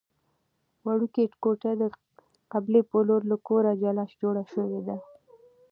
وړوکې کوټه د قبلې په لور له کوره جلا جوړه شوې ده.